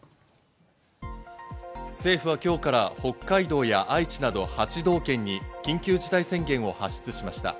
政府は今日から北海道や愛知など８道県に緊急事態宣言を発出しました。